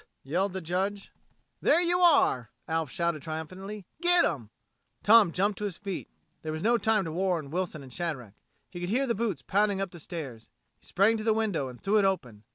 yelled the Judge. "There you are!" Alf shouted triumphantly. "Get 'em!" Tom jumped to his feet. There was no time to warn Wilson and Shadrack. He could hear the boots pounding up the stairs. He sprang to the window and threw it open.